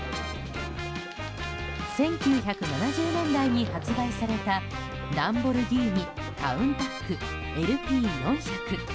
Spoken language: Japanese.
１９７０年代に発売されたランボルギーニ・カウンタックＬＰ４００。